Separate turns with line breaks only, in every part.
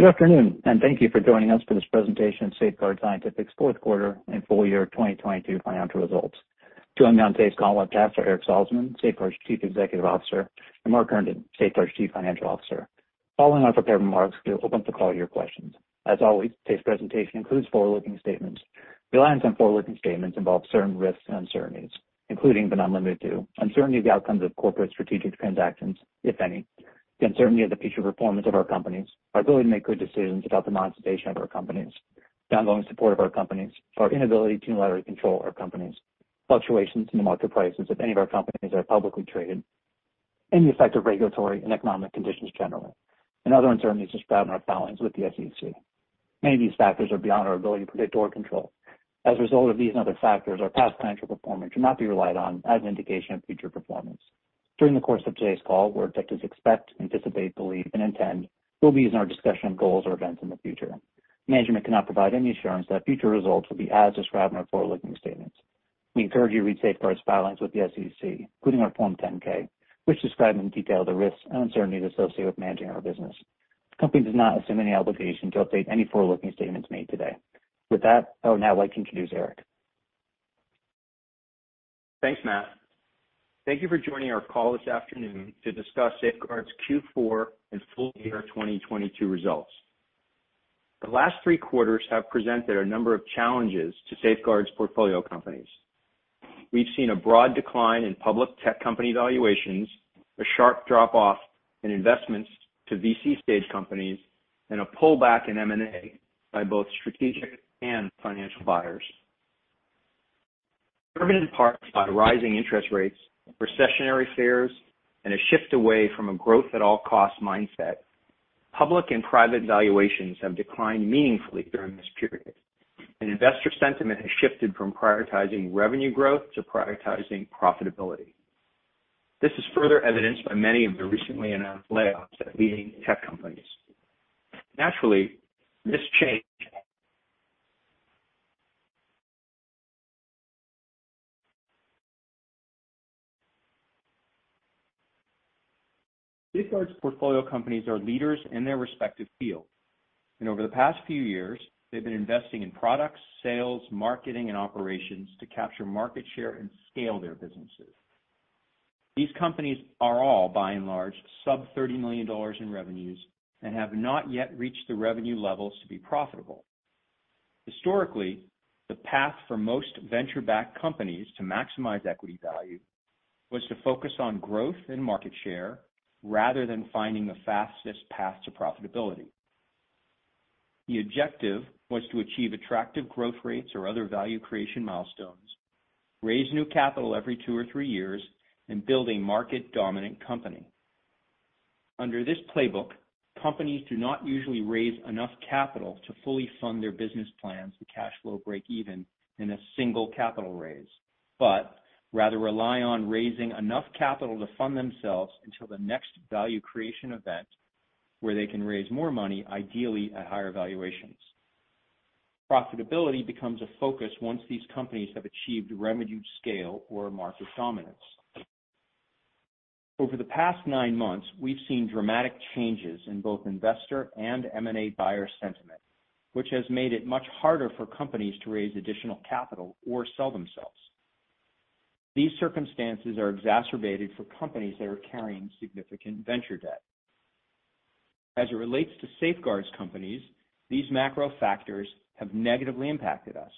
Good afternoon and thank you for joining us for this presentation of Safeguard Scientifics' Fourth Quarter and Full Year 2022 Financial Results. Joining me on today's call and cast are Eric Salzman, Safeguard's Chief Executive Officer, and Mark Herndon, Safeguard's Chief Financial Officer. Following our prepared remarks, we open up the call to your questions. As always, today's presentation includes forward-looking statements. Reliance on forward-looking statements involves certain risks and uncertainties, including but not limited to uncertainty of the outcomes of corporate strategic transactions, if any, the uncertainty of the future performance of our companies, our ability to make good decisions about the monetization of our companies, ongoing support of our companies, our inability to unilaterally control our companies, fluctuations in the market prices of any of our companies that are publicly traded, and the effect of regulatory and economic conditions generally, and other uncertainties described in our filings with the SEC. Many of these factors are beyond our ability to predict or control. As a result of these and other factors, our past financial performance should not be relied on as an indication of future performance. During the course of today's call, words such as expect, anticipate, believe and intend will be used in our discussion of goals or events in the future. Management cannot provide any assurance that future results will be as described in our forward-looking statements. We encourage you to read Safeguard's filings with the SEC, including our Form 10-K, which describe in detail the risks and uncertainties associated with managing our business. The company does not assume any obligation to update any forward-looking statements made today. I would now like to introduce Eric.
Thanks, Matt. Thank you for joining our call this afternoon to discuss Safeguard's Q4 and Full Year 2022 Results. The last three quarters have presented a number of challenges to Safeguard's portfolio companies. We've seen a broad decline in public tech company valuations, a sharp drop-off in investments to VC stage companies, and a pullback in M&A by both strategic and financial buyers. Driven in part by rising interest rates, recessionary fears and a shift away from a growth-at-all-costs mindset, public and private valuations have declined meaningfully during this period, and investor sentiment has shifted from prioritizing revenue growth to prioritizing profitability. This is further evidenced by many of the recently announced layoffs at leading tech companies. Naturally, this change. Safeguard's portfolio companies are leaders in their respective fields, and over the past few years, they've been investing in products, sales, marketing and operations to capture market share and scale their businesses. These companies are all, by and large, sub $30 million in revenues and have not yet reached the revenue levels to be profitable. Historically, the path for most venture-backed companies to maximize equity value was to focus on growth and market share rather than finding the fastest path to profitability. The objective was to achieve attractive growth rates or other value creation milestones, raise new capital every two or three years and build a market-dominant company. Under this playbook, companies do not usually raise enough capital to fully fund their business plans to cash flow breakeven in a single capital raise, but rather rely on raising enough capital to fund themselves until the next value creation event where they can raise more money, ideally at higher valuations. Profitability becomes a focus once these companies have achieved revenue scale or market dominance. Over the past nine months, we've seen dramatic changes in both investor and M&A buyer sentiment, which has made it much harder for companies to raise additional capital or sell themselves. These circumstances are exacerbated for companies that are carrying significant venture debt. As it relates to Safeguard's companies, these macro factors have negatively impacted us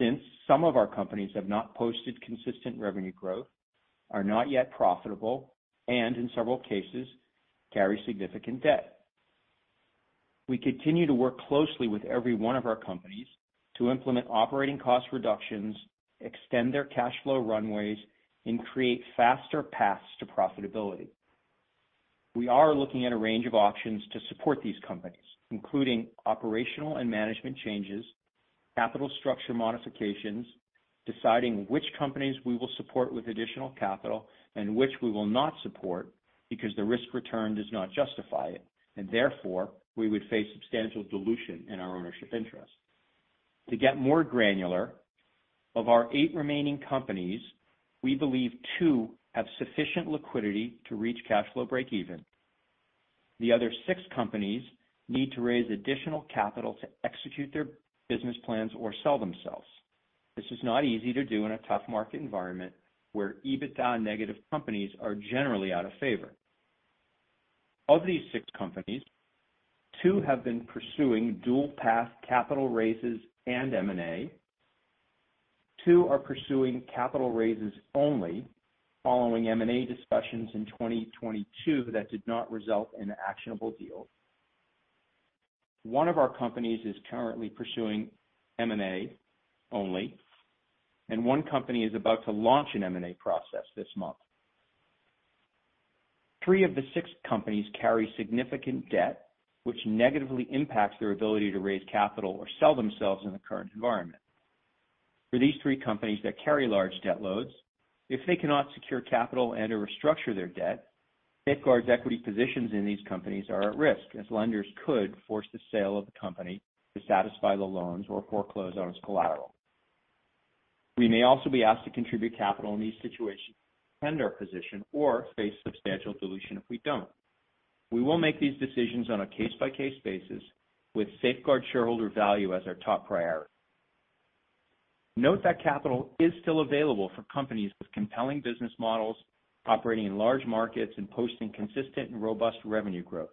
since some of our companies have not posted consistent revenue growth, are not yet profitable and in several cases, carry significant debt. We continue to work closely with every one of our companies to implement operating cost reductions, extend their cash flow runways and create faster paths to profitability. We are looking at a range of options to support these companies, including operational and management changes, capital structure modifications, deciding which companies we will support with additional capital and which we will not support because the risk return does not justify it, and therefore we would face substantial dilution in our ownership interest. To get more granular, of our eight remaining companies, we believe two have sufficient liquidity to reach cash flow breakeven. The other six companies need to raise additional capital to execute their business plans or sell themselves. This is not easy to do in a tough market environment where EBITDA negative companies are generally out of favor. Of these six companies, two have been pursuing dual path capital raises and M&A. Two are pursuing capital raises only following M&A discussions in 2022 that did not result in an actionable deal. One of our companies is currently pursuing M&A only and one company is about to launch an M&A process this month. Three of the six companies carry significant debt, which negatively impacts their ability to raise capital or sell themselves in the current environment. For these three companies that carry large debt loads, if they cannot secure capital and/or restructure their debt, Safeguard's equity positions in these companies are at risk as lenders could force the sale of the company to satisfy the loans or foreclose on its collateral. We may also be asked to contribute capital in these situations to defend our position or face substantial dilution if we don't. We will make these decisions on a case-by-case basis with Safeguard shareholder value as our top priority. Note that capital is still available for companies with compelling business models operating in large markets and posting consistent and robust revenue growth.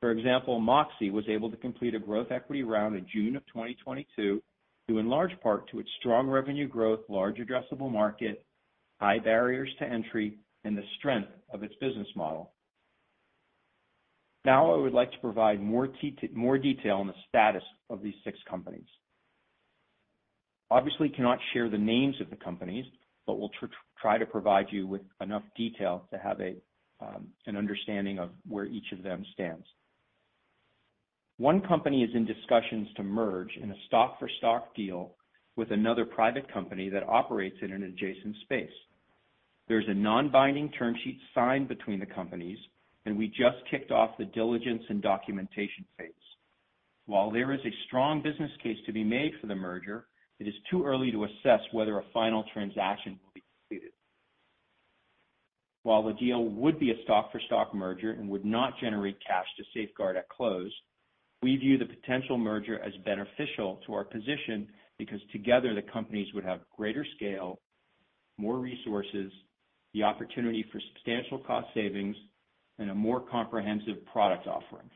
For example, Moxe was able to complete a growth equity round in June of 2022 due in large part to its strong revenue growth, large addressable market, high barriers to entry, and the strength of its business model. I would like to provide more detail on the status of these six companies. Obviously cannot share the names of the companies, we'll try to provide you with enough detail to have an understanding of where each of them stands. One company is in discussions to merge in a stock-for-stock deal with another private company that operates in an adjacent space. There's a non-binding term sheet signed between the companies, and we just kicked off the diligence and documentation phase. While there is a strong business case to be made for the merger, it is too early to assess whether a final transaction will be completed. While the deal would be a stock-for-stock merger and would not generate cash to Safeguard at close, we view the potential merger as beneficial to our position, because together the companies would have greater scale, more resources, the opportunity for substantial cost savings, and a more comprehensive product offering.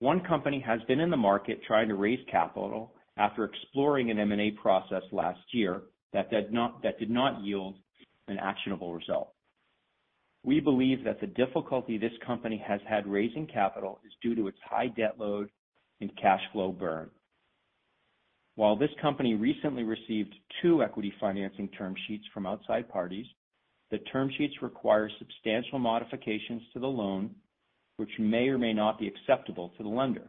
One company has been in the market trying to raise capital after exploring an M&A process last year that did not yield an actionable result. We believe that the difficulty this company has had raising capital is due to its high debt load and cash flow burn. While this company recently received two equity financing term sheets from outside parties, the term sheets require substantial modifications to the loan, which may or may not be acceptable to the lender.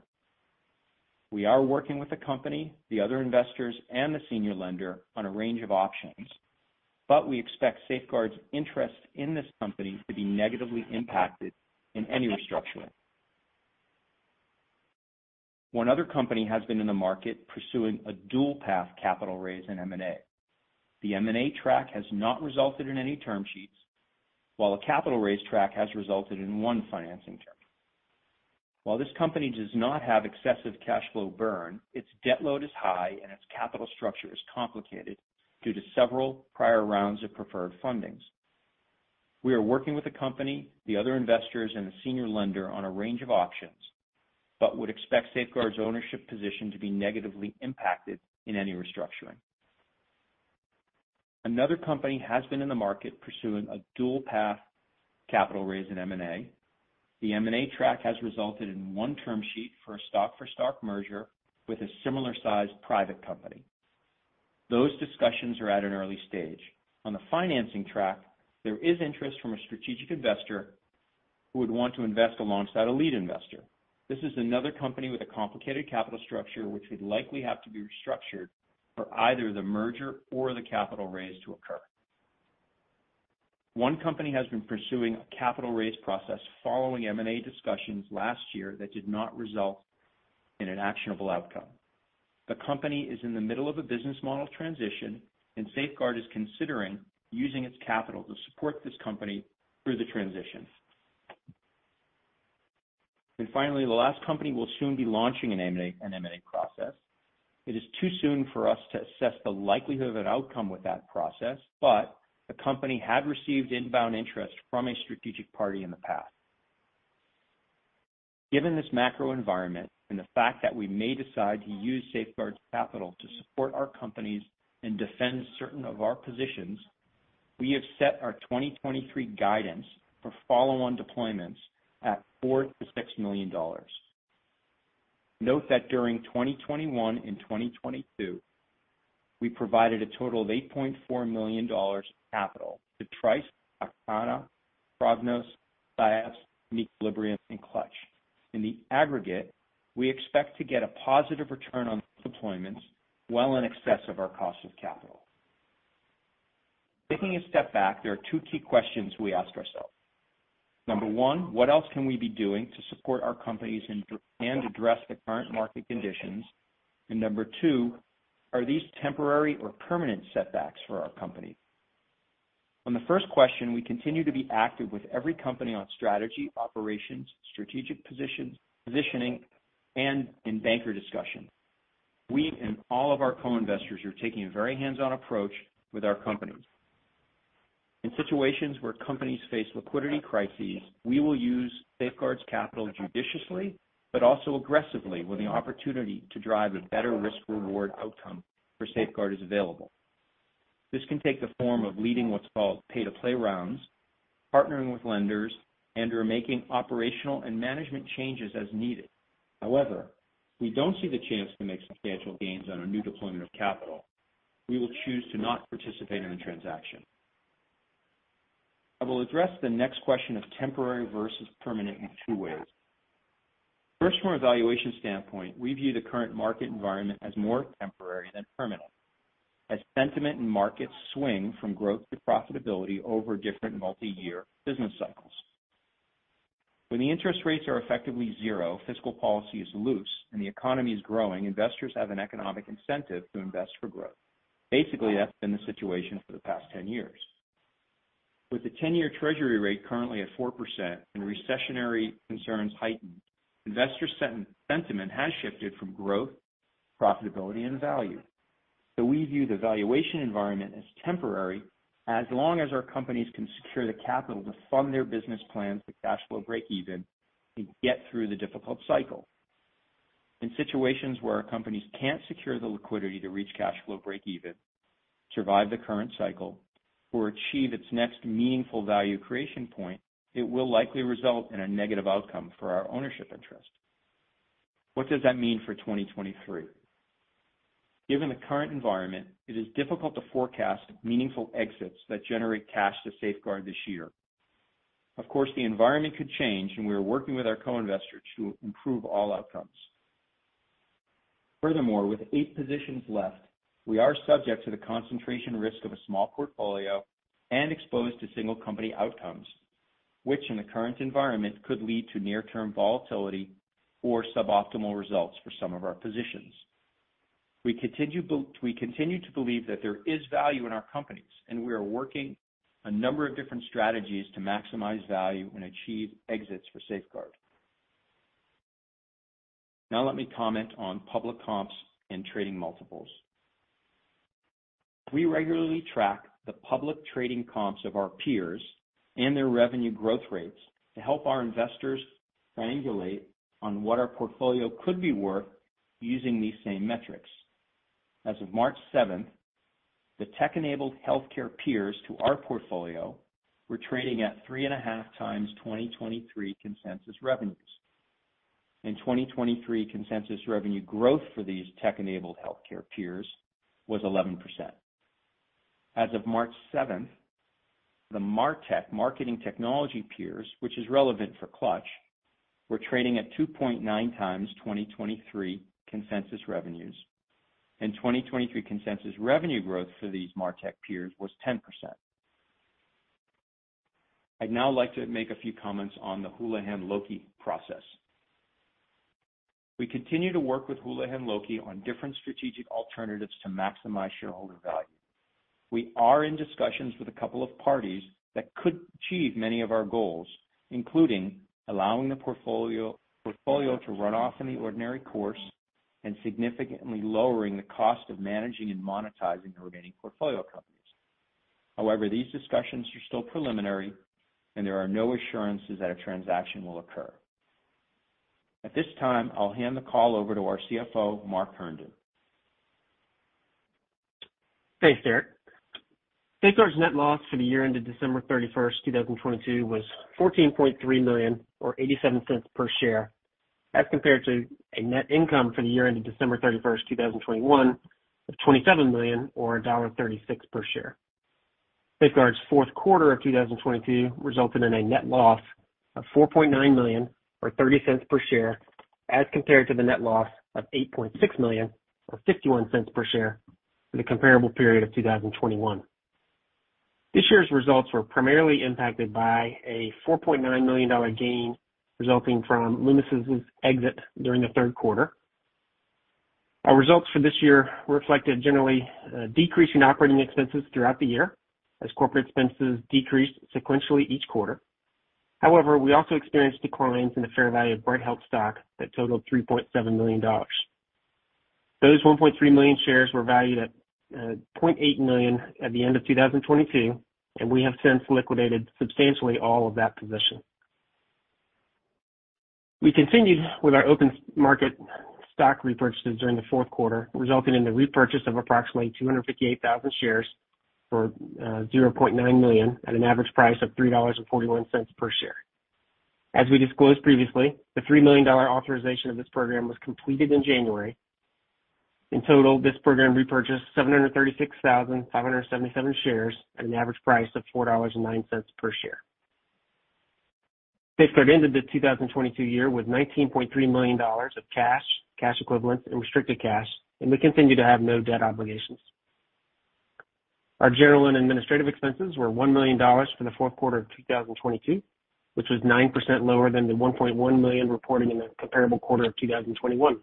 We are working with the company, the other investors, and the senior lender on a range of options, but we expect Safeguard's interest in this company to be negatively impacted in any restructuring. One other company has been in the market pursuing a dual path capital raise in M&A. The M&A track has not resulted in any term sheets, while a capital raise track has resulted in one financing term. While this company does not have excessive cash flow burn, its debt load is high, and its capital structure is complicated due to several prior rounds of preferred fundings. We are working with the company, the other investors, and the senior lender on a range of options, but would expect Safeguard's ownership position to be negatively impacted in any restructuring. Another company has been in the market pursuing a dual path capital raise in M&A. The M&A track has resulted in one term sheet for a stock-for-stock merger with a similar sized private company. Those discussions are at an early stage. On the financing track, there is interest from a strategic investor who would want to invest alongside a lead investor. This is another company with a complicated capital structure, which would likely have to be restructured for either the merger or the capital raise to occur. One company has been pursuing a capital raise process following M&A discussions last year that did not result in an actionable outcome. The company is in the middle of a business model transition. Safeguard is considering using its capital to support this company through the transition. Finally, the last company will soon be launching an M&A process. It is too soon for us to assess the likelihood of an outcome with that process. The company had received inbound interest from a strategic party in the past. Given this macro environment and the fact that we may decide to use Safeguard's capital to support our companies and defend certain of our positions, we have set our 2023 guidance for follow-on deployments at $4 million-$6 million. Note that during 2021 and 2022, we provided a total of $8.4 million capital to Trice, Aktana, Prognos, SciAps, meQuilibrium, and Clutch. In the aggregate, we expect to get a positive return on deployments well in excess of our cost of capital. Taking a step back, there are two key questions we ask ourselves. Number one, what else can we be doing to support our companies and address the current market conditions? Number two, are these temporary or permanent setbacks for our company? On the first question, we continue to be active with every company on strategy, operations, strategic positions, positioning, and in banker discussions. We and all of our co-investors are taking a very hands-on approach with our companies. In situations where companies face liquidity crises, we will use Safeguard's capital judiciously, but also aggressively when the opportunity to drive a better risk-reward outcome for Safeguard is available. This can take the form of leading what's called pay-to-play rounds, partnering with lenders, and/or making operational and management changes as needed. If we don't see the chance to make substantial gains on a new deployment of capital, we will choose to not participate in a transaction. I will address the next question of temporary versus permanent in two ways. From a valuation standpoint, we view the current market environment as more temporary than permanent as sentiment and markets swing from growth to profitability over different multi-year business cycles. When the interest rates are effectively zero, fiscal policy is loose and the economy is growing, investors have an economic incentive to invest for growth. That's been the situation for the past 10 years. With the 10-year Treasury rate currently at 4% and recessionary concerns heightened, investor sentiment has shifted from growth, profitability and value. We view the valuation environment as temporary as long as our companies can secure the capital to fund their business plans to cash flow breakeven and get through the difficult cycle. In situations where our companies can't secure the liquidity to reach cash flow breakeven, survive the current cycle, or achieve its next meaningful value creation point, it will likely result in a negative outcome for our ownership interest. What does that mean for 2023? Given the current environment, it is difficult to forecast meaningful exits that generate cash to Safeguard this year. Of course, the environment could change, and we are working with our co-investors to improve all outcomes. Furthermore, with eight positions left, we are subject to the concentration risk of a small portfolio and exposed to single company outcomes, which in the current environment could lead to near term volatility or suboptimal results for some of our positions. We continue to believe that there is value in our companies, and we are working a number of different strategies to maximize value and achieve exits for Safeguard. Now let me comment on public comps and trading multiples. We regularly track the public trading comps of our peers and their revenue growth rates to help our investors triangulate on what our portfolio could be worth using these same metrics. As of March seventh, the tech-enabled healthcare peers to our portfolio were trading at 3.5x 2023 consensus revenues. In 2023, consensus revenue growth for these tech-enabled healthcare peers was 11%. As of March seventh, the MarTech marketing technology peers, which is relevant for Clutch, were trading at 2.9x 2023 consensus revenues. In 2023, consensus revenue growth for these MarTech peers was 10%. I'd now like to make a few comments on the Houlihan Lokey process. We continue to work with Houlihan Lokey on different strategic alternatives to maximize shareholder value. We are in discussions with a couple of parties that could achieve many of our goals, including allowing the portfolio to run off in the ordinary course and significantly lowering the cost of managing and monetizing the remaining portfolio companies. However, these discussions are still preliminary, and there are no assurances that a transaction will occur. At this time, I'll hand the call over to our CFO, Mark Herndon.
Thanks, Eric. Safeguard's net loss for the year ended December 31st, 2022, was $14.3 million, or $0.87 per share, as compared to a net income for the year ended December 31st, 2021 of $27 million, or $1.36 per share. Safeguard's fourth quarter of 2022 resulted in a net loss of $4.9 million or $0.30 per share, as compared to the net loss of $8.6 million or $0.51 per share for the comparable period of 2021. This year's results were primarily impacted by a $4.9 million gain resulting from Lumesis' exit during the third quarter. Our results for this year reflected generally a decrease in operating expenses throughout the year as corporate expenses decreased sequentially each quarter. We also experienced declines in the fair value of Bright Health stock that totaled $3.7 million. Those 1.3 million shares were valued at $0.8 million at the end of 2022. We have since liquidated substantially all of that position. We continued with our open market stock repurchases during the fourth quarter, resulting in the repurchase of approximately 258,000 shares for $0.9 million at an average price of $3.41 per share. As we disclosed previously, the $3 million authorization of this program was completed in January. In total, this program repurchased 736,577 shares at an average price of $4.09 per share. Safeguard ended the 2022 year with $19.3 million of cash equivalents and restricted cash. We continue to have no debt obligations. Our general and administrative expenses were $1 million for the fourth quarter of 2022, which was 9% lower than the $1.1 million reported in the comparable quarter of 2021.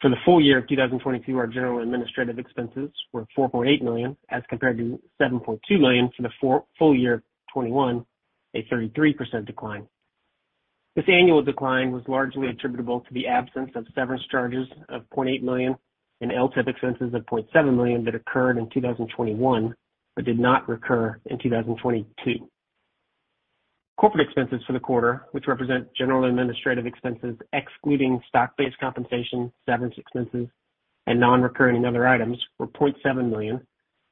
For the full year of 2022, our general and administrative expenses were $4.8 million as compared to $7.2 million for the full year 2021, a 33% decline. This annual decline was largely attributable to the absence of severance charges of $0.8 million and LTIP expenses of $0.7 million that occurred in 2021 but did not recur in 2022. Corporate expenses for the quarter, which represent general and administrative expenses excluding stock-based compensation, severance expenses, and non-recurring and other items, were $0.7 million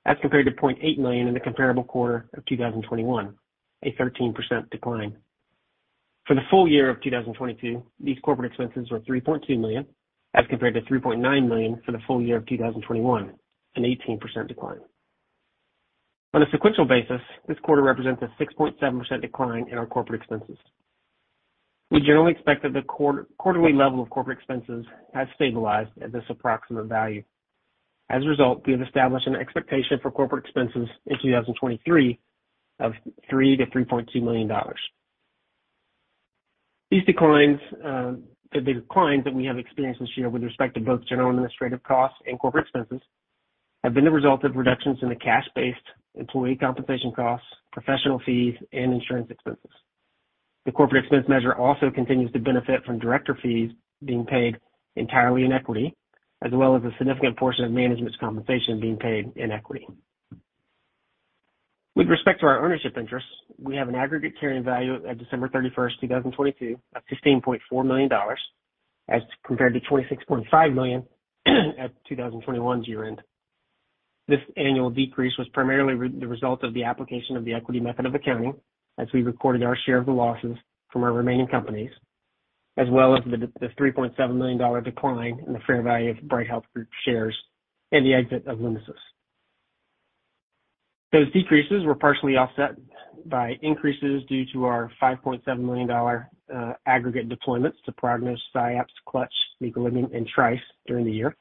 as compared to $0.8 million in the comparable quarter of 2021, a 13% decline. For the full year of 2022, these corporate expenses were $3.2 million as compared to $3.9 million for the full year of 2021, an 18% decline. On a sequential basis, this quarter represents a 6.7% decline in our corporate expenses. We generally expect that the quarterly level of corporate expenses has stabilized at this approximate value. As a result, we have established an expectation for corporate expenses in 2023 of $3 million-$3.2 million. These declines, the declines that we have experienced this year with respect to both general administrative costs and corporate expenses have been the result of reductions in the cash-based employee compensation costs, professional fees, and insurance expenses. The corporate expense measure also continues to benefit from director fees being paid entirely in equity, as well as a significant portion of management's compensation being paid in equity. With respect to our ownership interests, we have an aggregate carrying value at December 31, 2022, of $15.4 million as compared to $26.5 million at 2021's year end. This annual decrease was primarily the result of the application of the equity method of accounting as we recorded our share of the losses from our remaining companies, as well as the $3.7 million decline in the fair value of Bright Health Group shares and the exit of Lumesis. Those decreases were partially offset by increases due to our $5.7 million aggregate deployments to Prognos, SciAps, Clutch, meQuilibrium, and Trice during the year,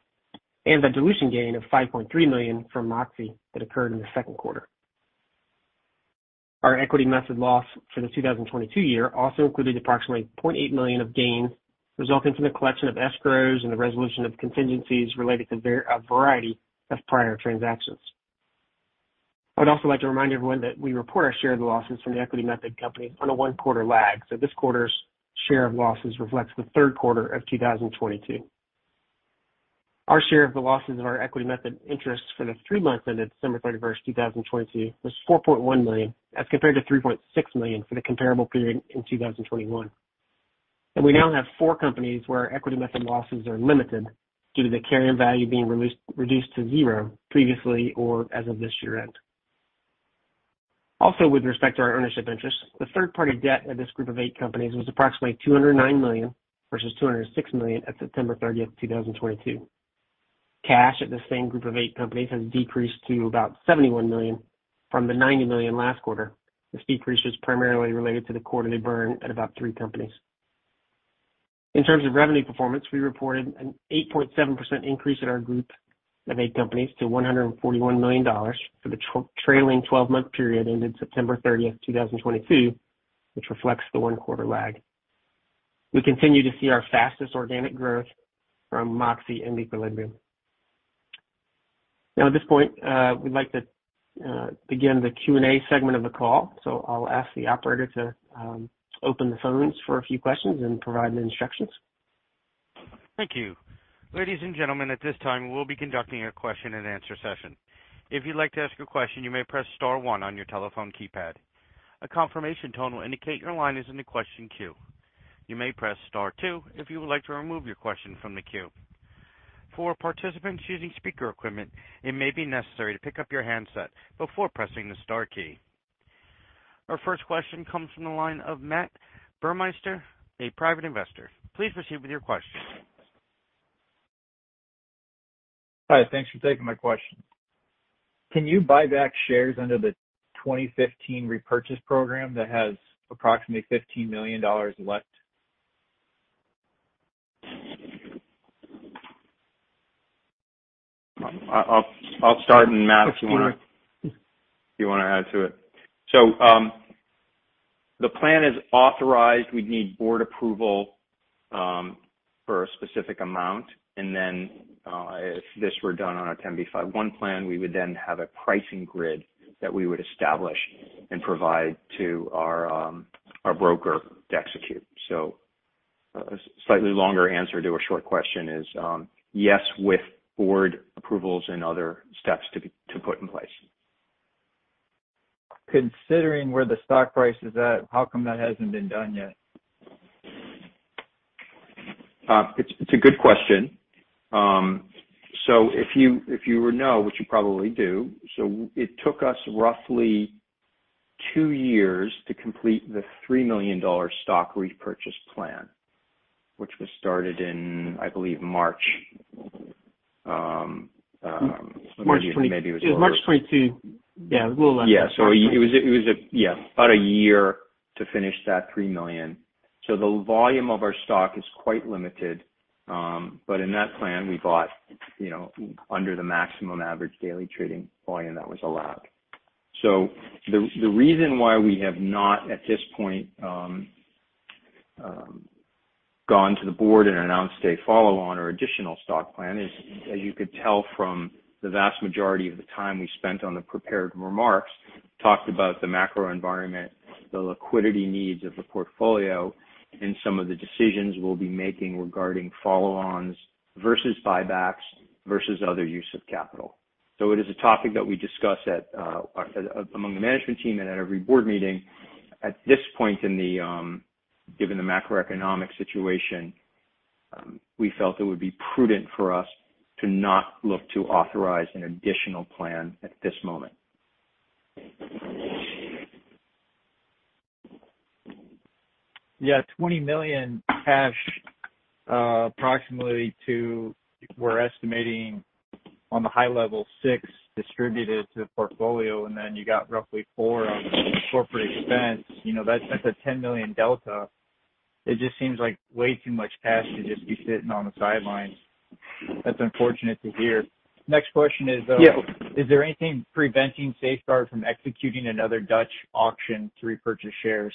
and the dilution gain of $5.3 million from Moxe that occurred in the second quarter. Our equity method loss for the 2022 year also included approximately $0.8 million of gains resulting from the collection of escrows and the resolution of contingencies related to a variety of prior transactions. I would also like to remind everyone that we report our share of the losses from the equity method company on a one quarter lag, so this quarter's share of losses reflects the third quarter of 2022. Our share of the losses of our equity method interests for the three months ended December 31st, 2022, was $4.1 million as compared to $3.6 million for the comparable period in 2021. We now have four companies where our equity method losses are limited due to the carrying value being released, reduced to zero previously or as of this year end. Also with respect to our ownership interest, the third party debt of this group of eight companies was approximately $209 million versus $206 million at September 30th, 2022. Cash at the same group of eight companies has decreased to about $71 million from the $90 million last quarter. This decrease was primarily related to the quarterly burn at about three companies. In terms of revenue performance, we reported an 8.7% increase in our group of eight companies to $141 million for the trailing 12-month period ended September 30th, 2022, which reflects the one quarter lag. We continue to see our fastest organic growth from Moxe and meQuilibrium. At this point, we'd like to begin the Q&A segment of the call. I'll ask the operator to open the phones for a few questions and provide some instructions.
Thank you. Ladies and gentlemen, at this time, we'll be conducting a question and answer session. If you'd like to ask a question, you may press star one on your telephone keypad. A confirmation tone will indicate your line is in the question queue. You may press star two if you would like to remove your question from the queue. For participants using speaker equipment, it may be necessary to pick up your handset before pressing the star key. Our first question comes from the line of Matt Burmeister, a private investor. Please proceed with your question.
Hi. Thanks for taking my question. Can you buy back shares under the 2015 repurchase program that has approximately $15 million left?
I'll start and Mark if you.
Okay.
You wanna add to it. The plan is authorized. We'd need board approval for a specific amount. If this were done on a 10b5-1 plan, we would then have a pricing grid that we would establish and provide to our broker to execute. A slightly longer answer to a short question is, yes, with board approvals and other steps to put in place.
Considering where the stock price is at, how come that hasn't been done yet?
It's a good question. If you, if you would know, which you probably do. It took us roughly two years to complete the $3 million stock repurchase plan, which was started in, I believe, March.
March.
Maybe it was earlier.
It was March 22.
It was about a year to finish that $3 million. The volume of our stock is quite limited. In that plan we bought, you know, under the maximum average daily trading volume that was allowed. The reason why we have not at this point gone to the board and announced a follow-on or additional stock plan is, as you could tell from the vast majority of the time we spent on the prepared remarks, talked about the macro environment, the liquidity needs of the portfolio and some of the decisions we'll be making regarding follow-ons versus buybacks versus other use of capital. It is a topic that we discuss among the management team and at every board meeting. At this point in the given the macroeconomic situation, we felt it would be prudent for us to not look to authorize an additional plan at this moment.
Yeah. $20 million cash, approximately to we're estimating on the high level $6 distributed to the portfolio and then you got roughly $4 on corporate expense. You know, that's such a $10 million delta. It just seems like way too much cash to just be sitting on the sidelines. That's unfortunate to hear. Next question is.
Yeah.
Is there anything preventing Safeguard from executing another Dutch auction to repurchase shares?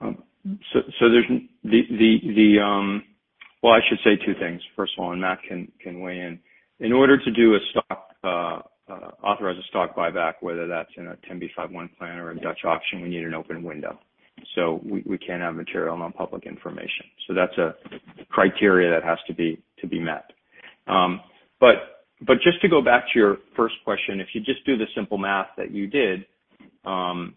Well, I should say two things, first of all, and Mark can weigh in. In order to do a stock, authorize a stock buyback, whether that's in a 10b5-1 plan or a Dutch auction, we need an open window. We can't have material non-public information. That's a criteria that has to be met. Just to go back to your first question, if you just do the simple math that you did, you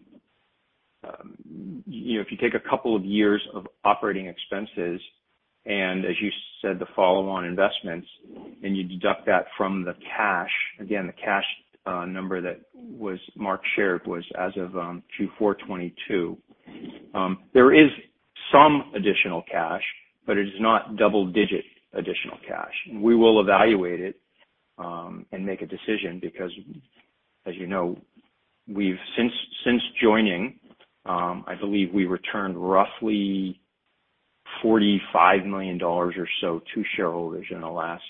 know, if you take a couple of years of operating expenses and as you said, the follow-on investments, and you deduct that from the cash, again, the cash number that was Mark shared was as of Q4 2022, there is some additional cash, but it is not double digit additional cash. We will evaluate it, and make a decision because as you know, we've Since joining, I believe we returned roughly $45 million or so to shareholders in the last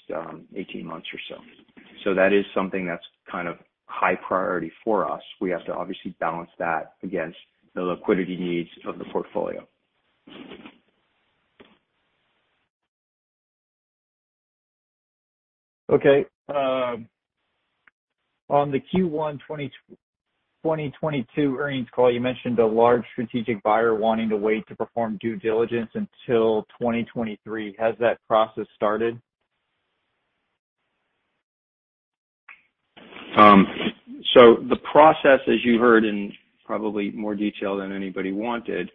18 months or so. That is something that's kind of high priority for us. We have to obviously balance that against the liquidity needs of the portfolio.
Okay. on the Q1 2022 earnings call, you mentioned a large strategic buyer wanting to wait to perform due diligence until 2023. Has that process started?
The process, as you heard in probably more detail than anybody wanted,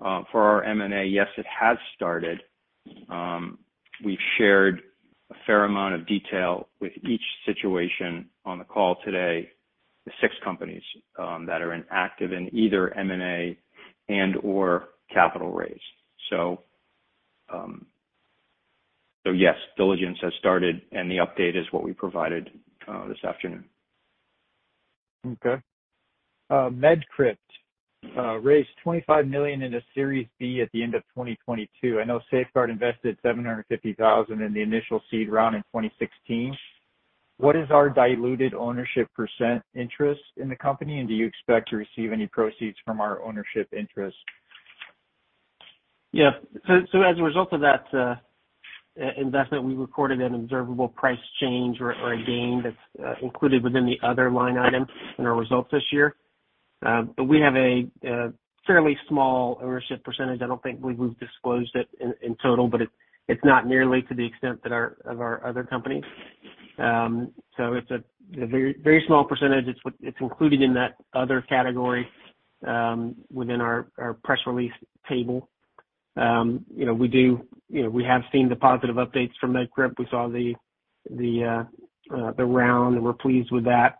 for our M&A, yes, it has started. We've shared a fair amount of detail with each situation on the call today, the six companies that are active in either M&A and/or capital raise. Yes, diligence has started, and the update is what we provided this afternoon.
Okay. MedCrypt raised $25 million in a Series B at the end of 2022. I know Safeguard invested $750,000 in the initial seed round in 2016. What is our diluted ownership percent interest in the company, and do you expect to receive any proceeds from our ownership interest?
As a result of that investment, we recorded an observable price change or a gain that's included within the other line item in our results this year. We have a fairly small ownership percentage. I don't think we've disclosed it in total, it's not nearly to the extent of our other companies. It's a very small percentage. It's included in that other category within our press release table. You know, we have seen the positive updates from MedCrypt. We saw the round, we're pleased with that.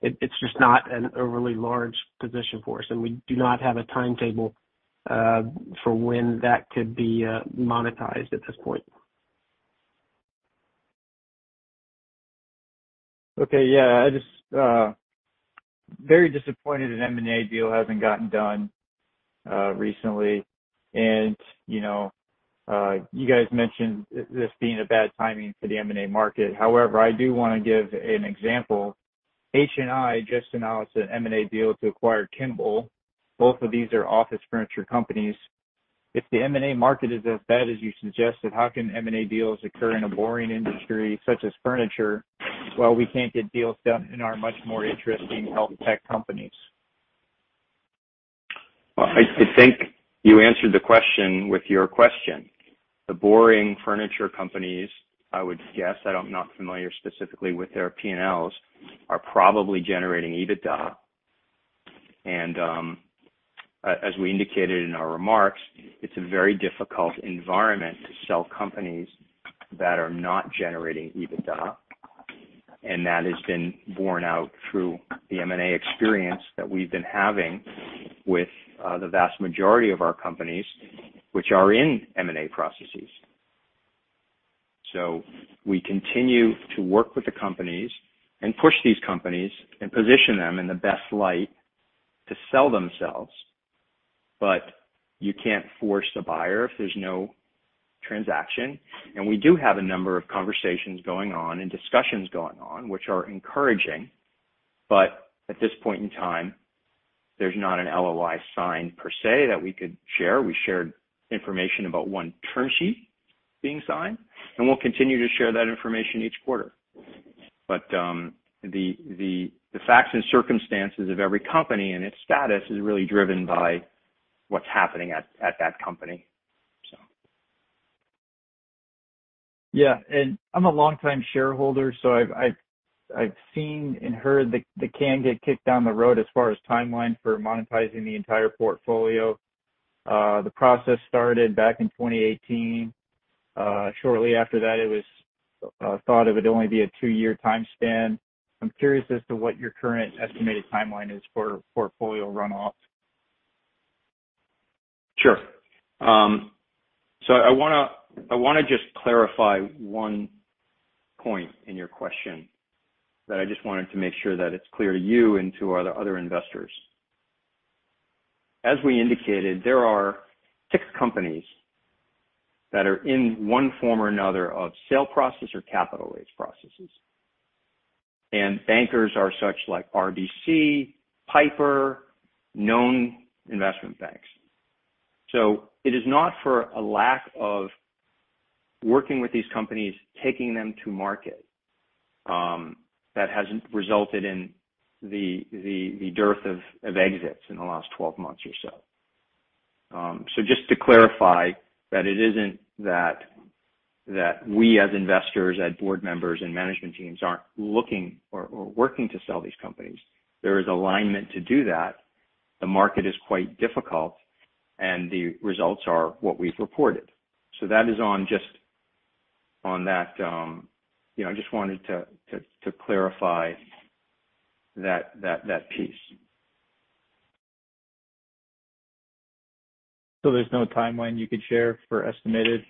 It's just not an overly large position for us, we do not have a timetable for when that could be monetized at this point.
Okay, yeah. I just, very disappointed an M&A deal hasn't gotten done, recently. You know, you guys mentioned this being a bad timing for the M&A market. However, I do wanna give an example. HNI just announced an M&A deal to acquire Kimball. Both of these are office furniture companies. If the M&A market is as bad as you suggested, how can M&A deals occur in a boring industry such as furniture while we can't get deals done in our much more interesting health tech companies?
Well, I think you answered the question with your question. The boring furniture companies, I would guess, I'm not familiar specifically with their P&Ls, are probably generating EBITDA. As we indicated in our remarks, it's a very difficult environment to sell companies that are not generating EBITDA, and that has been borne out through the M&A experience that we've been having with the vast majority of our companies which are in M&A processes. We continue to work with the companies and push these companies and position them in the best light to sell themselves. You can't force the buyer if there's no transaction. We do have a number of conversations going on and discussions going on which are encouraging. At this point in time, there's not an LOI signed per se that we could share. We shared information about one term sheet being signed, and we'll continue to share that information each quarter. The facts and circumstances of every company and its status is really driven by what's happening at that company.
Yeah. I'm a longtime shareholder, so I've seen and heard the can get kicked down the road as far as timeline for monetizing the entire portfolio. The process started back in 2018. Shortly after that, it was thought it would only be a two-year time span. I'm curious as to what your current estimated timeline is for portfolio runoff.
Sure. I wanna just clarify one point in your question that I just wanted to make sure that it's clear to you and to our other investors. As we indicated, there are six companies that are in one form or another of sale process or capital raise processes. Bankers are such like RBC, Piper, known investment banks. It is not for a lack of working with these companies, taking them to market, that hasn't resulted in the dearth of exits in the last 12 months or so. Just to clarify that it isn't that we as investors, as board members and management teams aren't looking or working to sell these companies. There is alignment to do that. The market is quite difficult; the results are what we've reported. that is on just on that, you know, I just wanted to clarify that piece.
There's no timeline you could share for estimated?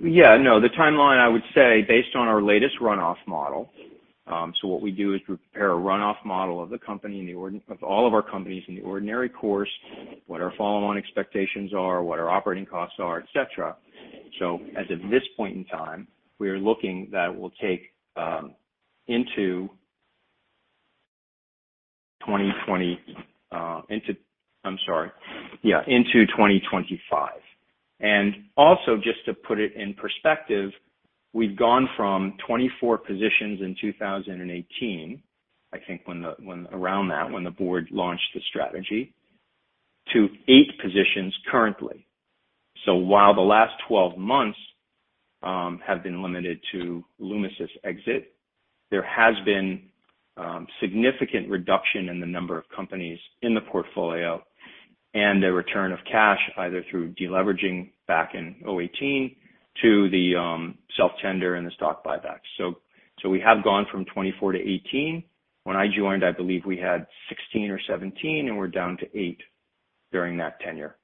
Yeah. No. The timeline, I would say, based on our latest run-off model, what we do is we prepare a run-off model of the company of all of our companies in the ordinary course, what our follow-on expectations are, what our operating costs are, et cetera. As of this point in time, we are looking that it will take into 2025. Also, just to put it in perspective, we've gone from 24 positions in 2018, I think when the board launched the strategy, to eight positions currently. While the last 12 months have been limited to Lumesis' exit, there has been significant reduction in the number of companies in the portfolio and the return of cash, either through deleveraging back in 2018 to the self-tender and the stock buyback. We have gone from 24 to 18. When I joined, I believe we had 16 or 17, and we're down to eight during that tenure.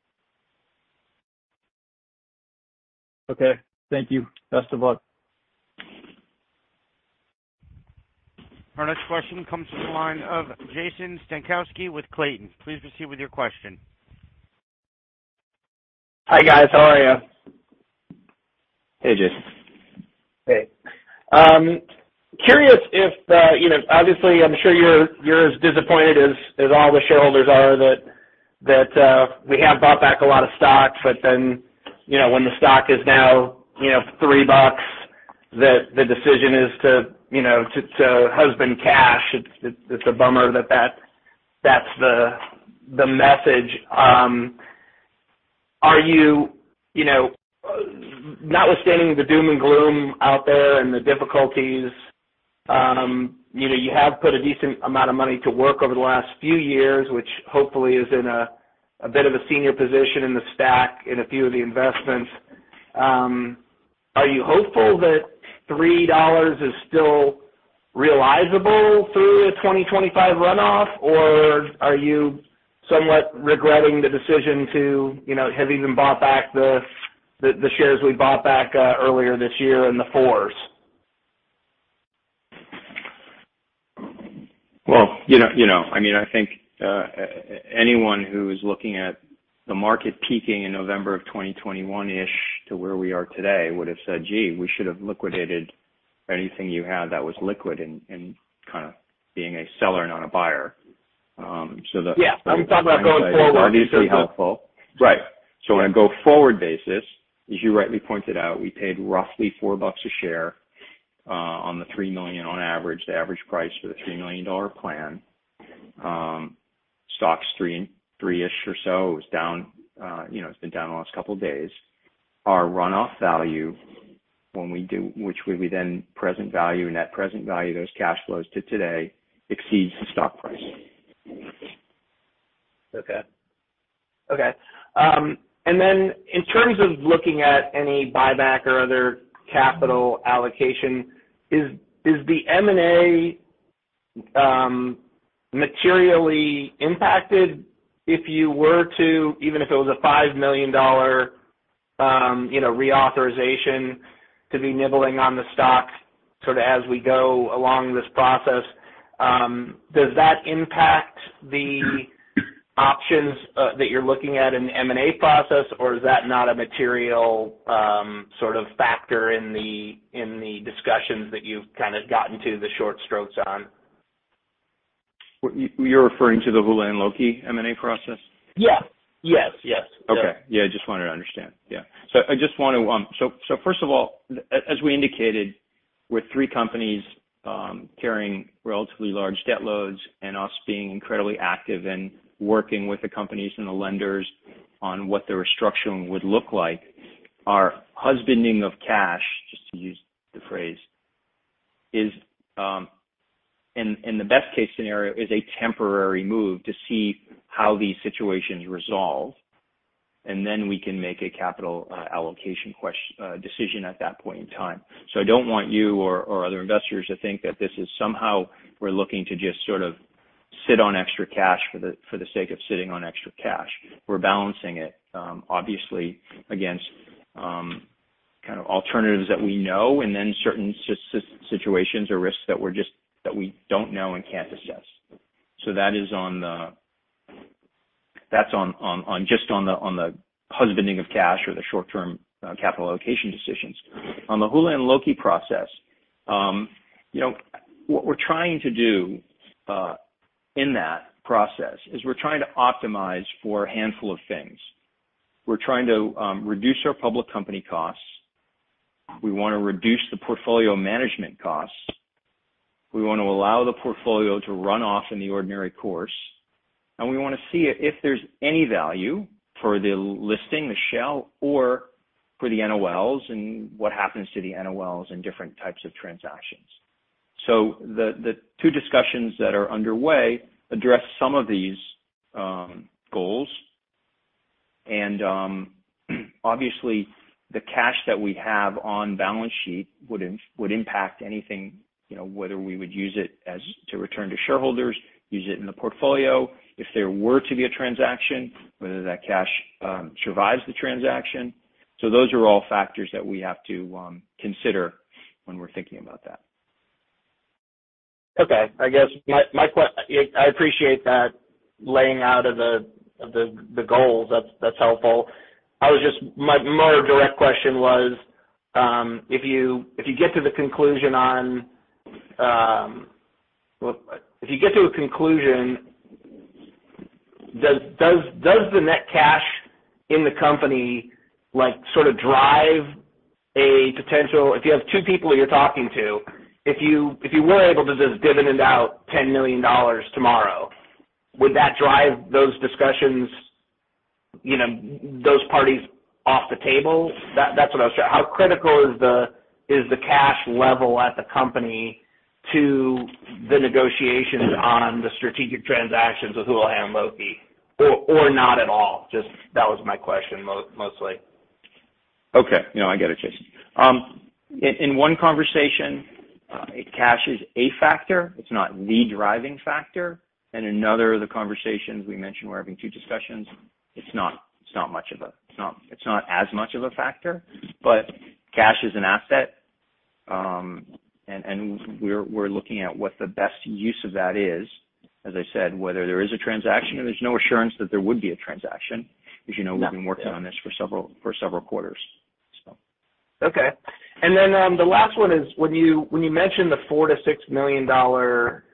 Okay. Thank you. Best of luck.
Our next question comes from the line of Jason Stankowski with Clayton. Please proceed with your question.
Hi, guys. How are you?
Hey, Jason.
Hey. Curious if, you know, obviously, I'm sure you're as disappointed as all the shareholders are that we have bought back a lot of stock, but then, you know, when the stock is now, you know, $3, the decision is to, you know, to husband cash. It's a bummer that that's the message. Are you know, notwithstanding the doom and gloom out there and the difficulties, you know, you have put a decent amount of money to work over the last few years, which hopefully is in a bit of a senior position in the stack in a few of the investments. Are you hopeful that $3 is still realizable through a 2025 runoff, or are you somewhat regretting the decision to, you know, have even bought back the shares we bought back, earlier this year in the $4s?
You know, I mean, I think anyone who is looking at the market peaking in November of 2021-ish to where we are today would have said, "Gee, we should have liquidated anything you had that was liquid," and kinda being a seller, not a buyer.
Yeah. I'm talking about going forward. Is obviously helpful.
Right. On a go-forward basis, as you rightly pointed out, we paid roughly $4 a share on the $3 million on average, the average price for the $3 million plan. Stock's $3, $3-ish or so. It was down, you know, it's been down the last couple days. Our run-off value when we do, which we would then present value, net present value those cash flows to today exceeds the stock price.
Okay. Okay. In terms of looking at any buyback or other capital allocation, is the M&A materially impacted if you were to, even if it was a $5 million, you know, reauthorization to be nibbling on the stock sorta as we go along this process, does that impact the options that you're looking at in the M&A process, or is that not a material sort of factor in the discussions that you've kinda gotten to the short strokes on?
You're referring to the Houlihan Lokey M&A process?
Yes. Yes, yes.
Okay. Yeah, I just wanted to understand. Yeah. I just wanna. First of all, as we indicated, with three companies, carrying relatively large debt loads and us being incredibly active in working with the companies and the lenders on what the restructuring would look like, our husbanding of cash, just to use the phrase, is in the best case scenario, is a temporary move to see how these situations resolve, and then we can make a capital allocation decision at that point in time. I don't want you or other investors to think that this is somehow we're looking to just sort of sit on extra cash for the sake of sitting on extra cash. We're balancing it obviously against kind of alternatives that we know and then certain situations or risks that we don't know and can't assess. That's on just on the husbanding of cash or the short-term capital allocation decisions. On the Houlihan Lokey process, you know, what we're trying to do in that process is we're trying to optimize for a handful of things. We're trying to reduce our public company costs. We wanna reduce the portfolio management costs. We want to allow the portfolio to run off in the ordinary course, and we wanna see if there's any value for the listing, the shell or for the NOLs and what happens to the NOLs in different types of transactions. The two discussions that are underway address some of these goals. Obviously, the cash that we have on balance sheet would impact anything, you know, whether we would use it as to return to shareholders, use it in the portfolio if there were to be a transaction, whether that cash survives the transaction. Those are all factors that we have to consider when we're thinking about that.
Okay. I guess my I appreciate that laying out of the goals. That's helpful. My more direct question was, if you get to the conclusion on, if you get to a conclusion, does the net cash in the company like, sort of drive a if you have two people you're talking to, if you were able to just dividend out $10 million tomorrow, would that drive those discussions, you know, those parties off the table? How critical is the cash level at the company to the negotiations on the strategic transactions with Houlihan Lokey or not at all? Just that was my question mostly.
Okay. No, I get it, Jason.
In one conversation, cash is a factor. It's not the driving factor. In another of the conversations, we mentioned we're having two discussions, it's not as much of a factor. Cash is an asset, and we're looking at what the best use of that is, as I said, whether there is a transaction, and there's no assurance that there would be a transaction.
As you know, we've been working on this for several quarters.
Okay. The last one is when you, when you mentioned the $4 million-$6 million,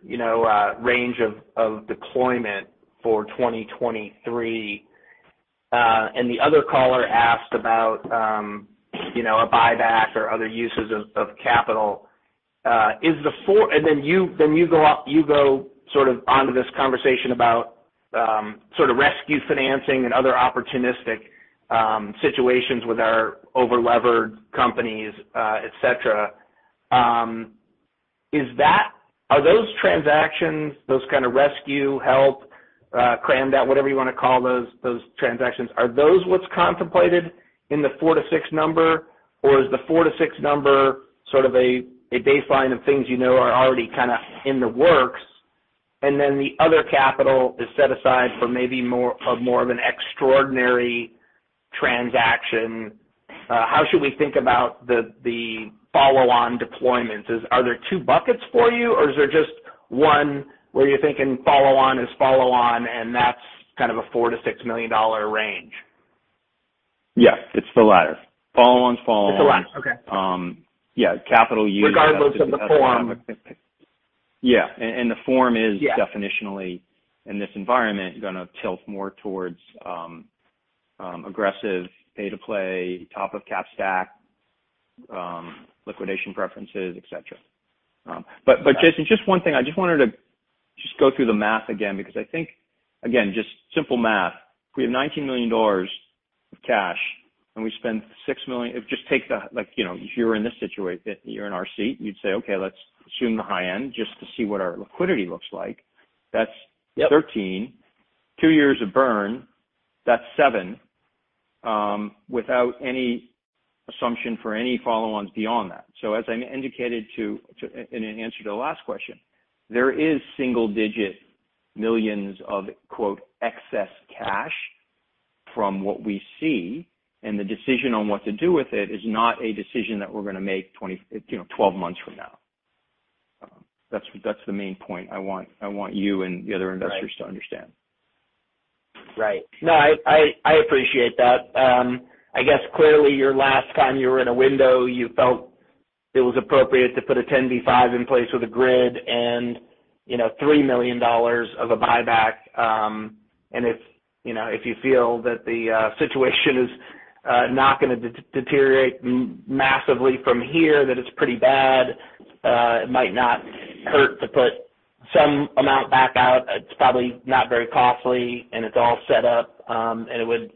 you know, range of deployment for 2023, and the other caller asked about, you know, a buyback or other uses of capital. You go sort of onto this conversation about sort of rescue financing and other opportunistic situations with our over-levered companies, et cetera. Are those transactions, those kind of rescue, help, cram debt, whatever you wanna call those transactions, are those what's contemplated in the $4 million-$6 million number, or is the $4 million-$6 million number sort of a baseline of things you know are already kinda in the works, and then the other capital is set aside for maybe more of an extraordinary transaction? How should we think about the follow-on deployments? Are there two buckets for you, or is there just one where you're thinking follow on is follow on and that's kind of a $4 million-$6 million range?
Yes, it's the latter. Follow on is follow on.
It's the latter. Okay.
Yeah, capital usually.
Regardless of the form.
The form is definitionally, in this environment, gonna tilt more towards aggressive pay-to-play, top of cap stack, liquidation preferences, et cetera. Jason, just one thing. I just wanted to just go through the math again because I think, again, just simple math. If we have $19 million of cash and we spend $6 million, like, you know, if you're in our seat, you'd say, "Okay, let's assume the high end just to see what our liquidity looks like." That's $13 million. two years of burn, that's $7 million, without any assumption for any follow-ons beyond that. As I indicated in answer to the last question, there is single digit millions of, quote, "excess cash" from what we see, and the decision on what to do with it is not a decision that we're gonna make, you know, 12 months from now. That's the main point I want you and the other investors to understand.
Right. No, I appreciate that. I guess clearly your last time you were in a window, you felt it was appropriate to put a 10b5-1 in place with a grid and, you know, $3 million of a buyback. If, you know, if you feel that the situation is not gonna deteriorate massively from here, that it's pretty bad, it might not hurt to put some amount back out. It's probably not very costly, and it's all set up. It would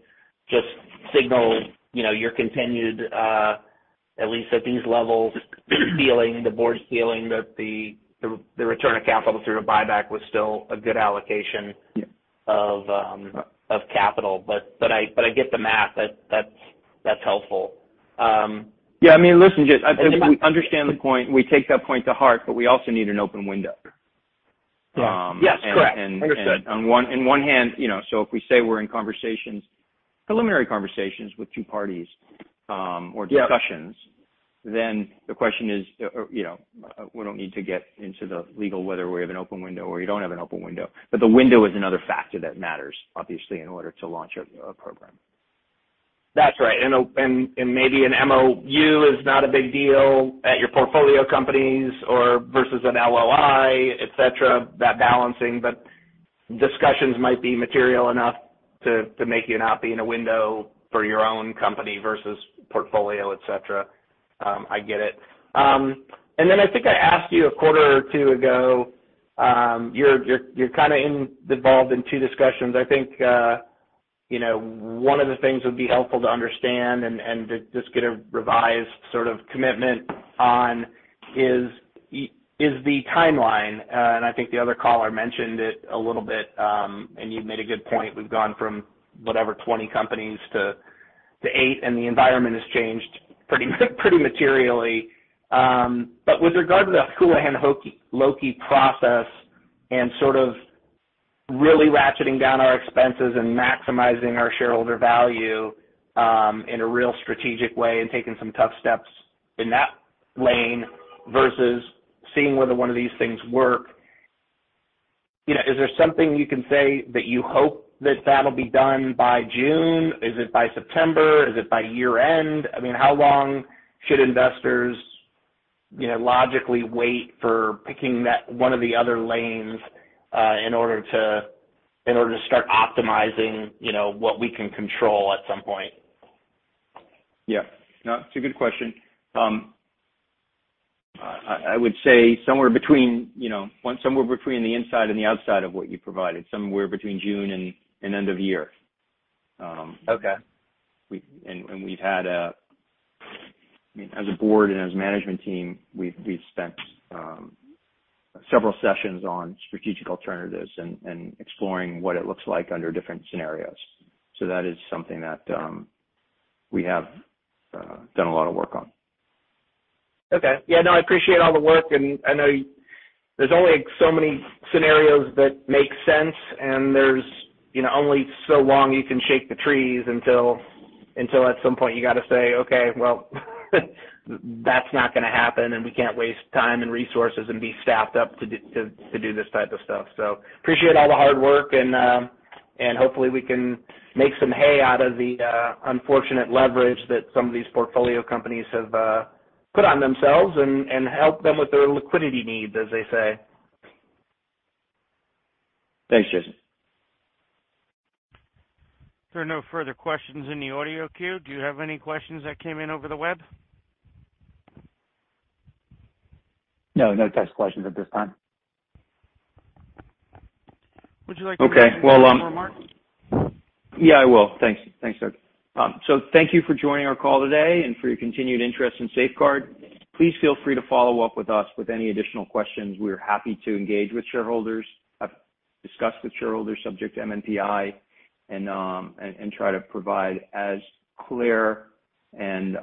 just signal, you know, your continued, at least at these levels, feeling, the board's feeling that the return of capital through a buyback was still a good allocation of capital. I get the math. That's helpful.
Yeah, I mean, listen, Jason, I think we understand the point. We take that point to heart. We also need an open window.
Yes. Yes, correct. Understood.
In one hand, you know, if we say we're in conversations, preliminary conversations with two parties, or discussions.
Yeah.
The question is, you know, we don't need to get into the legal whether we have an open window or you don't have an open window. The window is another factor that matters, obviously, in order to launch a program.
That's right. Maybe an MOU is not a big deal at your portfolio companies or versus an LOI, et cetera, that balancing. Discussions might be material enough to make you not be in a window for your own company versus portfolio, et cetera. I get it. I think I asked you a quarter or two ago, you're kinda involved in two discussions. You know, one of the things that would be helpful to understand and just get a revised sort of commitment on is the timeline. I think the other caller mentioned it a little bit, and you made a good point. We've gone from whatever, 20 companies to eight, and the environment has changed pretty materially. With regard to the Houlihan Lokey process and sort of really ratcheting down our expenses and maximizing our shareholder value, in a real strategic way and taking some tough steps in that lane versus seeing whether one of these things work, you know, is there something you can say that you hope that that'll be done by June? Is it by September? Is it by year-end? I mean, how long should investors, you know, logically wait for picking that one of the other lanes, in order to start optimizing, you know, what we can control at some point?
Yeah. No, it's a good question. I would say somewhere between, you know, somewhere between the inside and the outside of what you provided, somewhere between June and end of year.
Okay.
We've had I mean, as a board and as management team, we've spent several sessions on strategic alternatives and exploring what it looks like under different scenarios. That is something that we have done a lot of work on.
Okay. Yeah, no, I appreciate all the work, and I know there's only so many scenarios that make sense, and there's, you know, only so long you can shake the trees until at some point you gotta say, "Okay, well, that's not gonna happen, and we can't waste time and resources and be staffed up to do this type of stuff." Appreciate all the hard work, and hopefully we can make some hay out of the unfortunate leverage that some of these portfolio companies have put on themselves and help them with their liquidity needs, as they say.
Thanks, Jason.
There are no further questions in the audio queue. Do you have any questions that came in over the web?
No, no next questions at this time.
Would you like to.
Okay. Well,
make any closing remarks?
Yeah, I will. Thanks. Thanks, Doug. Thank you for joining our call today and for your continued interest in Safeguard. Please feel free to follow up with us with any additional questions. We are happy to engage with shareholders, discuss with shareholders subject to MNPI, and try to provide as clear and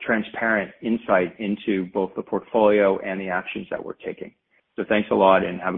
transparent insight into both the portfolio and the actions that we're taking. Thanks a lot and have a good night.